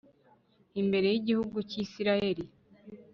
imbere y'igihugu cy'israel